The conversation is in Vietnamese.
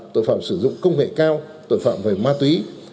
tội phạm sử dụng công nghệ cao tội phạm về ma túy